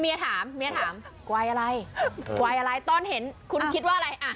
เดี๋ยวนะเมียถามกวายอะไรกวายอะไรตอนเห็นคุณคิดว่าอะไร